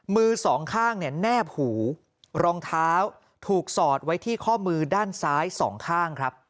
มือสองข้างเนี่ยแนบหูรองเท้าถูกสอดไว้ที่ข้อมือด้านซ้ายสองข้างครับ